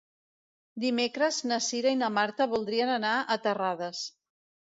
Dimecres na Cira i na Marta voldrien anar a Terrades.